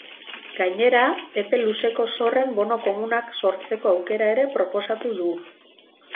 Gainera, epe luzeko zorren bono komunak sortzeko aukera ere proposatu du.